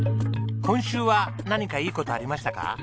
今週は何かいい事ありましたか？